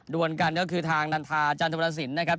วนกันก็คือทางนันทาจันทรสินนะครับ